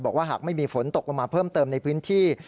หากไม่มีฝนตกลงมาเพิ่มเติมในพื้นที่